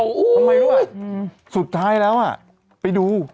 ทำไมด้วยสุดท้ายแล้วดู